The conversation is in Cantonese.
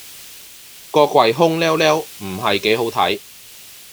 個櫃空豂豂唔係幾好睇